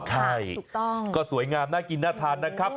ใช่ถูกต้องก็สวยงามน่ากินน่าทานนะครับ